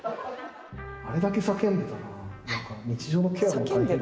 あれだけ叫んでたら日常のケアも大変？